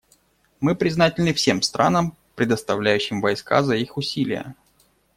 Мы признательны всем странам, предоставляющим войска, за их усилия.